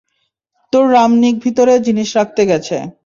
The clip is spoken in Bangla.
তোর রামনিক ভিতরে জিনিস রাখতে গেছে।